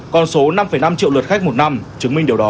con số năm năm triệu lượt khách một năm chứng minh điều đó